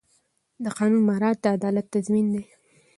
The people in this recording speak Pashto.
د قانون مراعات د عدالت تضمین دی.